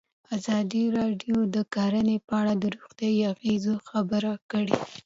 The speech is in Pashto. ازادي راډیو د کرهنه په اړه د روغتیایي اغېزو خبره کړې.